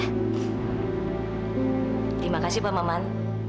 terima kasih pak maman